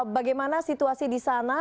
bagaimana situasi disana